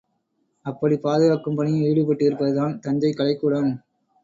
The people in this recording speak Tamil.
அப்படிப் பாதுகாக்கும் பணியில் ஈடுபட்டிருப்பதுதான் தஞ்சை கலைக்கூடம்.